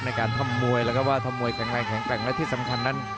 ในการทำมวยแล้วก็ว่าทำมวยแข็งและที่สำคัญนั้น